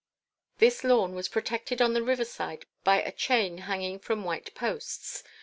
This lawn was protected on the river side by a chain hanging from white posts.